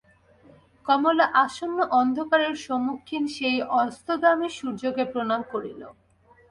কমলা আসন্ন অন্ধকারের সম্মুখীন সেই অস্তগামী সূর্যকে প্রণাম করিল।